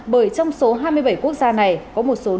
bởi trong số hai mươi bảy quốc gia này có một số